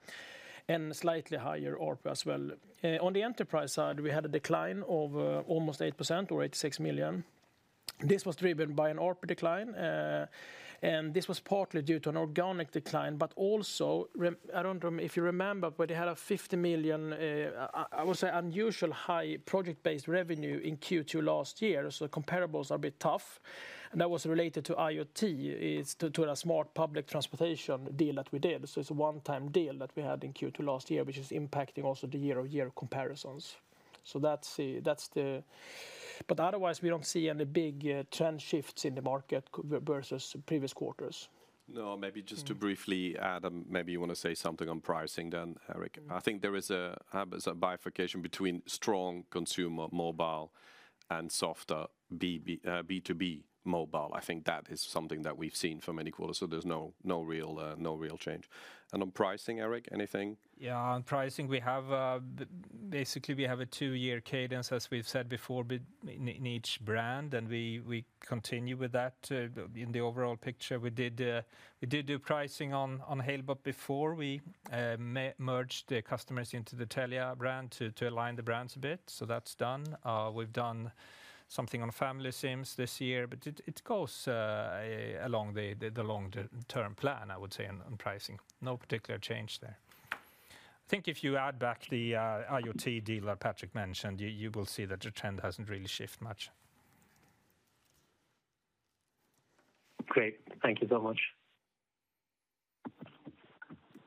and slightly higher ARPU as well. On the enterprise side, we had a decline of almost 8% or 86 million. This was driven by an ARPU decline, and this was partly due to an organic decline. Also, I don't know if you remember, but they had a 50 million, I would say unusual high project-based revenue in Q2 last year. Comparables are a bit tough. That was related to IoT. It's to a smart public transportation deal that we did. It's a one-time deal that we had in Q2 last year, which is impacting also the year-over-year comparisons. Otherwise, we don't see any big trend shifts in the market versus previous quarters. No, maybe just to briefly add, maybe you want to say something on pricing then, Erik. I think there is a bifurcation between strong consumer mobile and softer B2B mobile. I think that is something that we've seen for many quarters. There's no real change. On pricing, Erik, anything? Yeah, on pricing, basically we have a two-year cadence, as we've said before, in each brand, and we continue with that in the overall picture. We did do pricing on Halebop before we merged the customers into the Telia brand to align the brands a bit. That's done. We've done Something on family SIMs this year, it goes along the long-term plan, I would say, on pricing. No particular change there. I think if you add back the IoT deal that Patrik mentioned, you will see that the trend hasn't really shifted much. Great. Thank you so much.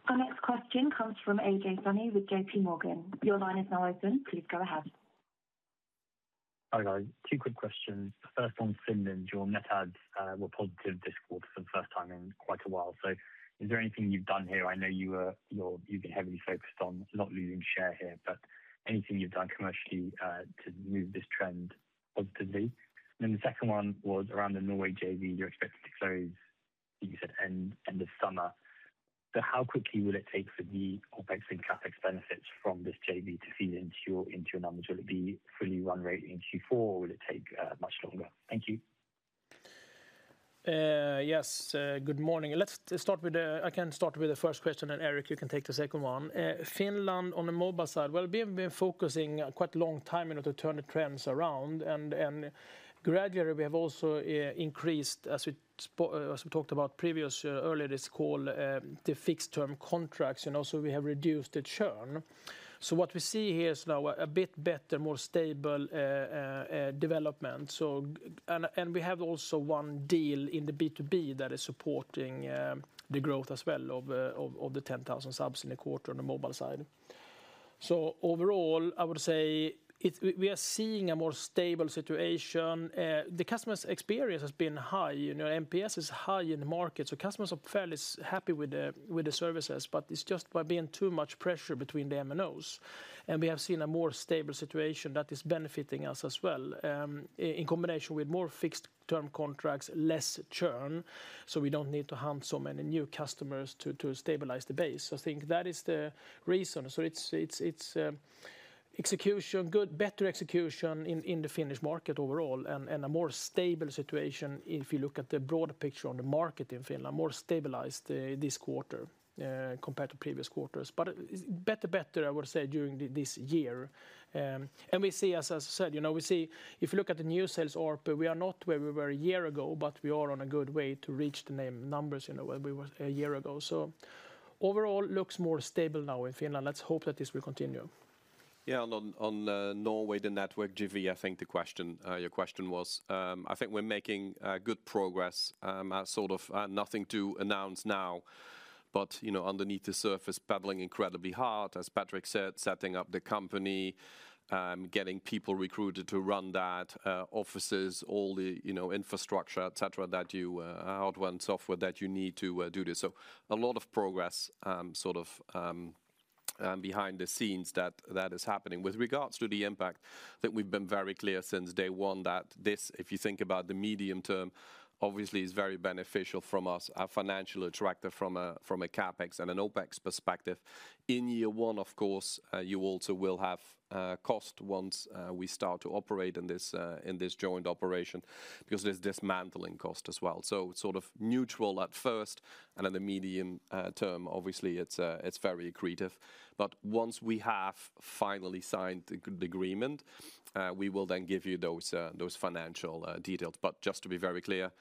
Our next question comes from Ajay Soni with JPMorgan. Your line is now open. Please go ahead. Hi, guys. Two quick questions. First, on Finland, your net adds were positive this quarter for the first time in quite a while. Is there anything you've done here? I know you've been heavily focused on not losing share here, but anything you've done commercially to move this trend positively? The second one was around the Norway JV you're expected to close, you said end of summer. How quickly will it take for the OpEx and CapEx benefits from this JV to feed into your numbers? Will it be fully run rate in Q4 or will it take much longer? Thank you. Yes. Good morning. I can start with the first question, Eric, you can take the second one. Finland, on the mobile side, we have been focusing quite a long time to turn the trends around, and gradually we have also increased, as we talked about earlier this call, the fixed-term contracts. We have reduced the churn. What we see here is now a bit better, more stable development. We have also one deal in the B2B that is supporting the growth as well of the 10,000 subs in the quarter on the mobile side. Overall, I would say we are seeing a more stable situation. The customer's experience has been high. NPS is high in the market, so customers are fairly happy with the services, but it's just by being too much pressure between the MNOs. We have seen a more stable situation that is benefiting us as well, in combination with more fixed-term contracts, less churn, we don't need to hunt so many new customers to stabilize the base. I think that is the reason. It's better execution in the Finnish market overall and a more stable situation if you look at the broader picture on the market in Finland, more stabilized this quarter compared to previous quarters. Better, I would say, during this year. We see, as I said, if you look at the new sales ARPU, we are not where we were a year ago, but we are on a good way to reach the numbers where we were a year ago. Overall, looks more stable now in Finland. Let's hope that this will continue. On Norway, the network JV, I think your question was. I think we're making good progress. Sort of nothing to announce now, but underneath the surface, paddling incredibly hard, as Patrik said, setting up the company, getting people recruited to run that, offices, all the infrastructure, et cetera, hardware and software that you need to do this. A lot of progress behind the scenes that is happening. With regards to the impact, that we've been very clear since day one that this, if you think about the medium term, obviously is very beneficial from us, financial attractive from a CapEx and an OpEx perspective. In year one, of course, you also will have cost once we start to operate in this joint operation, because there's dismantling cost as well. It's sort of neutral at first, and in the medium term, obviously it's very accretive. Once we have finally signed the agreement, we will then give you those financial details. Just to be very clear,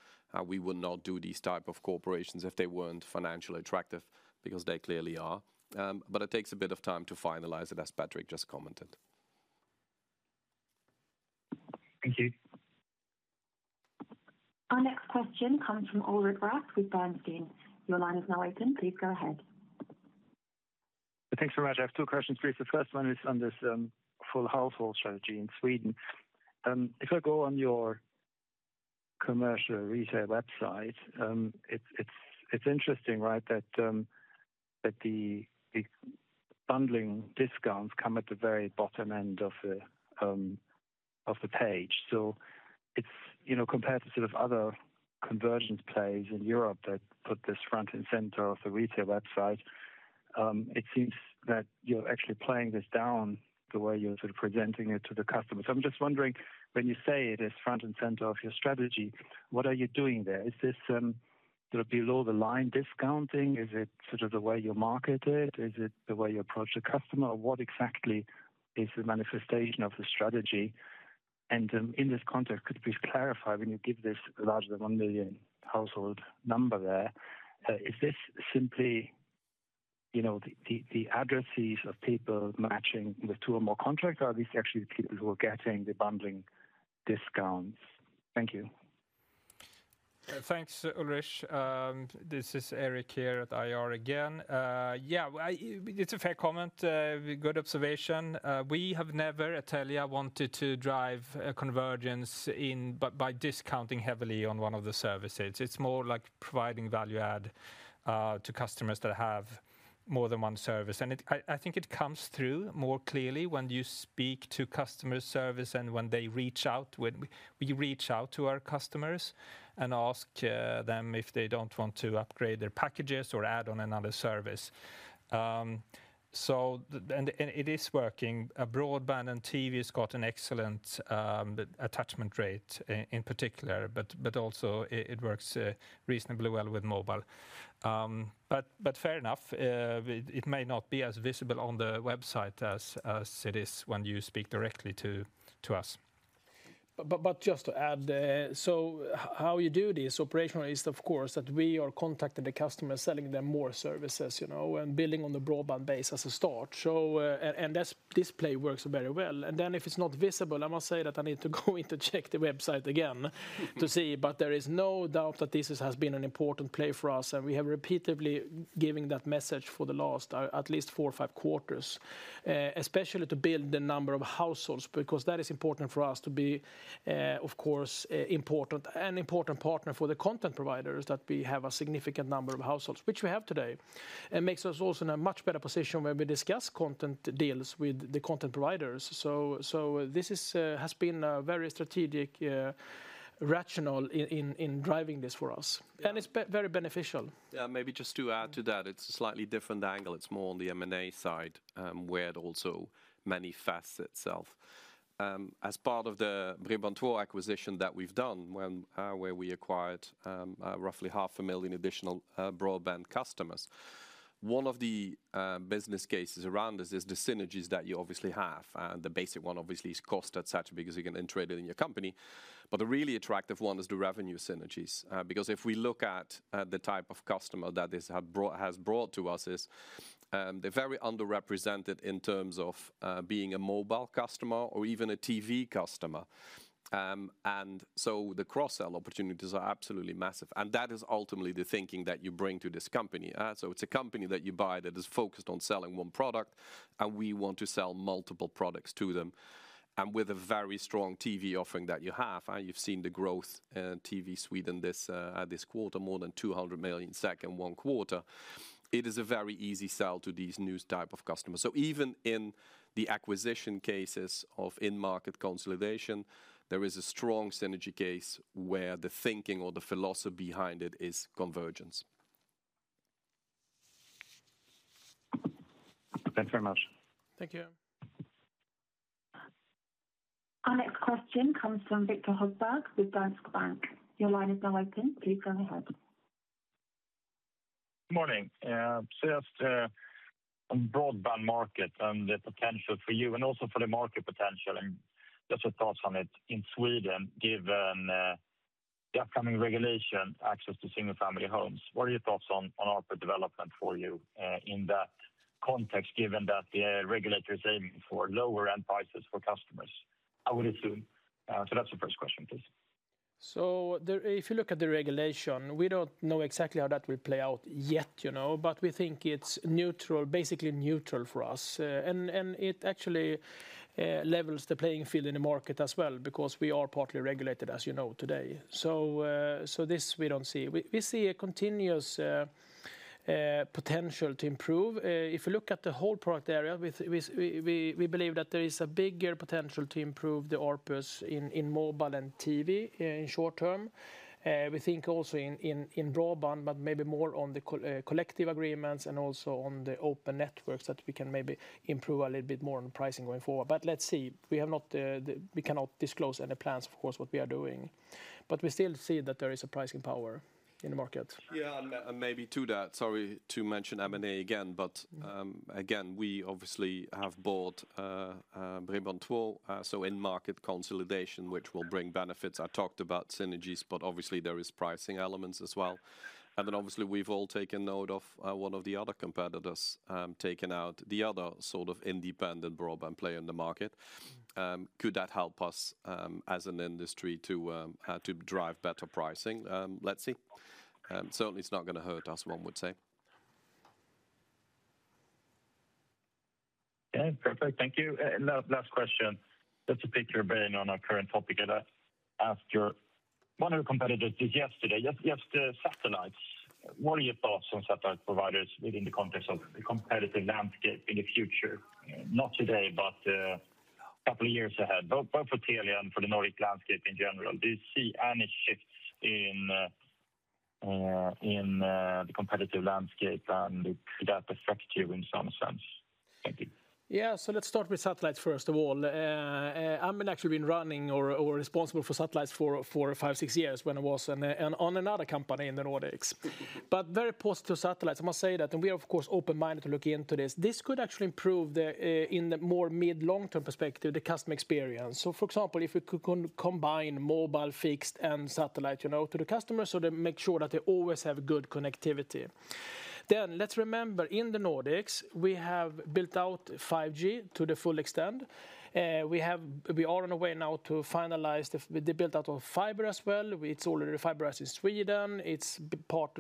we would not do these type of corporations if they weren't financially attractive, because they clearly are. It takes a bit of time to finalize it, as Patrik just commented. Thank you. Our next question comes from Ulrich Rathe with Bernstein. Your line is now open. Please go ahead. Thanks very much. I have two questions for you. The first one is on this full household strategy in Sweden. If I go on your commercial retail website, it's interesting, right? That the bundling discounts come at the very bottom end of the page. Compared to other convergence plays in Europe that put this front and center of the retail website, it seems that you're actually playing this down the way you're presenting it to the customers. I'm just wondering, when you say it is front and center of your strategy, what are you doing there? Is this below the line discounting? Is it the way you market it? Is it the way you approach the customer? What exactly is the manifestation of the strategy? In this context, could you please clarify, when you give this larger than 1 million household number there, is this simply the addresses of people matching with two or more contracts, or are these actually the people who are getting the bundling discounts? Thank you. Thanks, Ulrich. This is Erik here at IR again. It's a fair comment. Good observation. We have never, at Telia, wanted to drive a convergence by discounting heavily on one of the services. It's more like providing value add to customers that have more than one service. I think it comes through more clearly when you speak to customer service and when we reach out to our customers and ask them if they don't want to upgrade their packages or add on another service. It is working. Broadband and TV has got an excellent attachment rate in particular, but also it works reasonably well with mobile. Fair enough, it may not be as visible on the website as it is when you speak directly to us. Just to add, how you do this operationally is, of course, that we are contacting the customer, selling them more services, and building on the broadband base as a start. This play works very well. If it's not visible, I must say that I need to go in to check the website again to see. There is no doubt that this has been an important play for us, and we have repeatedly given that message for the last at least four or five quarters, especially to build the number of households, because that is important for us to be an important partner for the content providers, that we have a significant number of households, which we have today. It makes us also in a much better position when we discuss content deals with the content providers. This has been a very strategic rationale in driving this for us, and it's very beneficial. Maybe just to add to that, it's a slightly different angle. It's more on the M&A side, where it also manifests itself. As part of the Bredband2 acquisition that we've done, where we acquired roughly 500,000 additional broadband customers. One of the business cases around this is the synergies that you obviously have. The basic one obviously is cost et cetera, because you can then trade it in your company, but the really attractive one is the revenue synergies. If we look at the type of customer that this has brought to us is, they're very underrepresented in terms of being a mobile customer or even a TV customer. The cross-sell opportunities are absolutely massive, and that is ultimately the thinking that you bring to this company. It's a company that you buy that is focused on selling one product, and we want to sell multiple products to them. With a very strong TV offering that you have, and you've seen the growth in TV Sweden this quarter, more than 200 million SAC in one quarter. It is a very easy sell to these new type of customers. Even in the acquisition cases of in-market consolidation, there is a strong synergy case where the thinking or the philosophy behind it is convergence. Thanks very much. Thank you. Our next question comes from Viktor Högberg with Danske Bank. Your line is now open. Please go ahead. Morning. First, on broadband market and the potential for you and also for the market potential and just your thoughts on it in Sweden, given the upcoming regulation access to single-family homes. What are your thoughts on ARPU development for you in that context, given that the regulator is aiming for lower end prices for customers, I would assume? That's the first question, please. If you look at the regulation, we don't know exactly how that will play out yet. We think it's basically neutral for us. It actually levels the playing field in the market as well, because we are partly regulated, as you know, today. This we don't see. We see a continuous potential to improve. If you look at the whole product area, we believe that there is a bigger potential to improve the ARPUs in mobile and TV in short term. We think also in broadband, but maybe more on the collective agreements and also on the open networks that we can maybe improve a little bit more on pricing going forward. Let's see. We cannot disclose any plans, of course, what we are doing. We still see that there is a pricing power in the market. Maybe to that, sorry to mention M&A again, we obviously have bought Bredband2, so in-market consolidation, which will bring benefits. I talked about synergies, obviously there is pricing elements as well. Obviously we've all taken note of one of the other competitors taking out the other sort of independent broadband player in the market. Could that help us as an industry to drive better pricing? Let's see. Certainly, it's not going to hurt us, one would say. Okay, perfect. Thank you. Last question. Just to pick your brain on a current topic I'd like to ask you. One of the competitors did yesterday, just satellites. What are your thoughts on satellite providers within the context of the competitive landscape in the future? Not today, but a couple of years ahead, both for Telia and for the Nordic landscape in general. Do you see any shifts in the competitive landscape, and could that affect you in some sense? Thank you. Let's start with satellites first of all. I've actually been running or responsible for satellites for five, six years when I was on another company in the Nordics. Very positive satellites, I must say that. We are, of course, open-minded to look into this. This could actually improve, in the more mid long-term perspective, the customer experience. For example, if we could combine mobile, fixed, and satellite to the customer, so they make sure that they always have good connectivity. Let's remember, in the Nordics, we have built out 5G to the full extent. We are on our way now to finalize the build-out of fiber as well. It's already fiberized in Sweden. It's part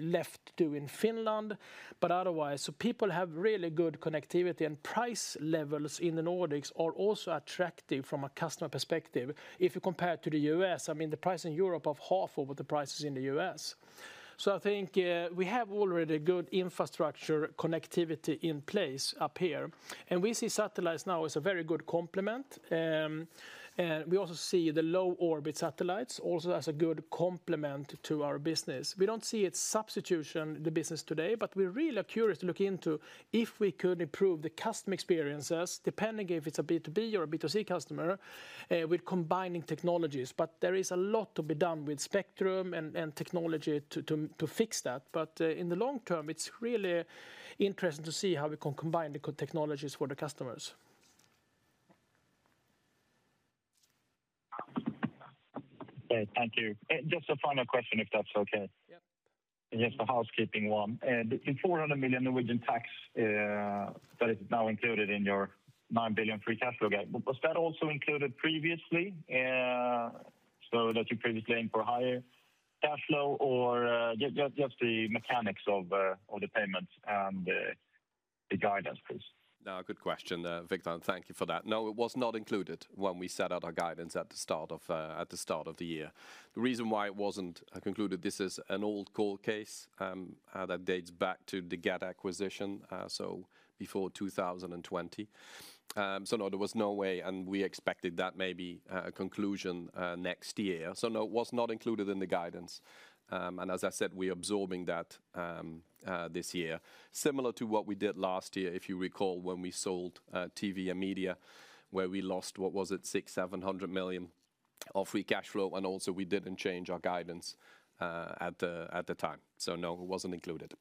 left to do in Finland. Otherwise, people have really good connectivity, and price levels in the Nordics are also attractive from a customer perspective. If you compare to the U.S., the price in Europe is half of what the price is in the U.S. I think we have already good infrastructure connectivity in place up here, and we see satellites now as a very good complement. We also see the low orbit satellites also as a good complement to our business. We don't see it substitution the business today, but we're really curious to look into if we could improve the customer experiences, depending if it's a B2B or a B2C customer, with combining technologies. There is a lot to be done with spectrum and technology to fix that. In the long term, it's really interesting to see how we can combine the technologies for the customers. Great. Thank you. Just a final question, if that's okay. Yep. Just a housekeeping one. The 400 million Norwegian tax that is now included in your 9 billion free cash flow guide. Was that also included previously, so that you previously aim for higher cash flow? Or just the mechanics of the payments and the guidance, please? No, good question, Viktor, and thank you for that. No, it was not included when we set out our guidance at the start of the year. The reason why it wasn't concluded, this is an old court case that dates back to the Get acquisition, so before 2020. No, there was no way, and we expected that maybe a conclusion next year. No, it was not included in the guidance. As I said, we're absorbing that this year. Similar to what we did last year, if you recall, when we sold TV and media, where we lost, what was it? 600 million-700 million of free cash flow, and also we didn't change our guidance at the time. No, it wasn't included.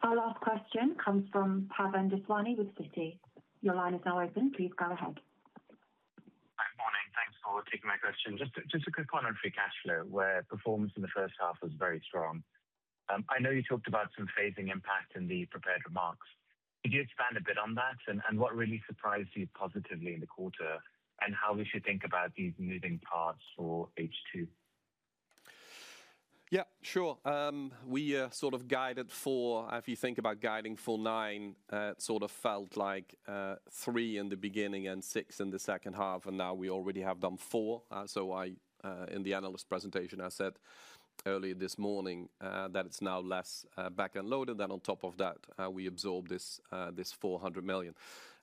Our last question comes from Pavan Daswani with Citi. Your line is now open. Please go ahead. Hi. Morning. Thanks for taking my question. Just a quick one on free cash flow, where performance in the first half was very strong. I know you talked about some phasing impact in the prepared remarks. Could you expand a bit on that, and what really surprised you positively in the quarter, and how we should think about these moving parts for H2? Yeah, sure. We sort of guided four. If you think about guiding full nine, it sort of felt like three in the beginning and six in the second half, and now we already have done four. In the analyst presentation, I said earlier this morning that it's now less back-end loaded. On top of that, we absorb this 400 million.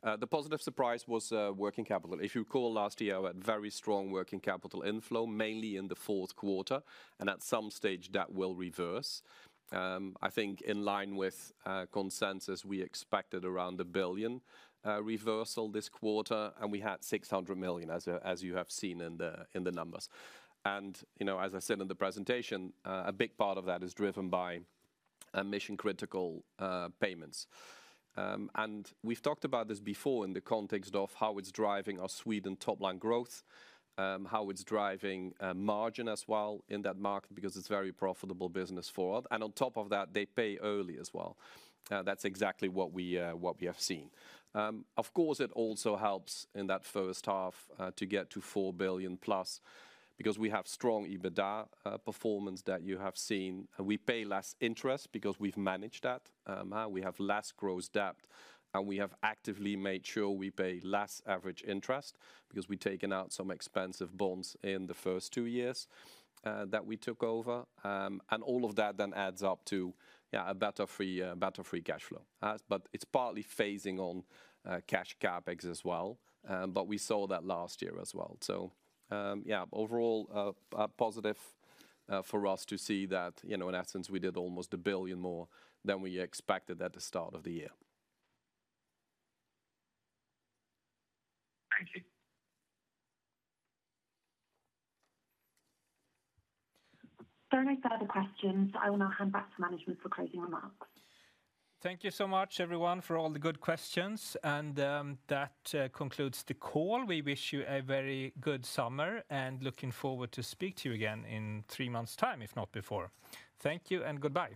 The positive surprise was working capital. If you recall last year, we had very strong working capital inflow, mainly in the fourth quarter, and at some stage that will reverse. I think in line with consensus, we expected around 1 billion reversal this quarter, and we had 600 million, as you have seen in the numbers. As I said in the presentation, a big part of that is driven by mission-critical payments. We've talked about this before in the context of how it's driving our Sweden top line growth, how it's driving margin as well in that market because it's very profitable business for us. On top of that, they pay early as well. That's exactly what we have seen. Of course, it also helps in that first half to get to 4 billion plus because we have strong EBITDA performance that you have seen. We pay less interest because we've managed that. We have less gross debt, and we have actively made sure we pay less average interest because we've taken out some expensive bonds in the first two years that we took over. All of that adds up to a better free cash flow. It's partly phasing on cash CapEx as well. We saw that last year as well. Yeah, overall, positive for us to see that, in essence, we did almost 1 billion more than we expected at the start of the year. Thank you. There are no further questions. I will now hand back to management for closing remarks. Thank you so much, everyone, for all the good questions. That concludes the call. We wish you a very good summer and looking forward to speak to you again in three months time, if not before. Thank you and goodbye